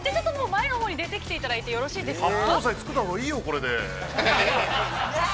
◆前のほうへ出てきていただいてよろしいですか。